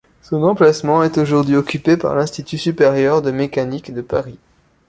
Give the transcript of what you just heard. Son emplacement est aujourd'hui occupé par l'Institut supérieur de mécanique de Paris.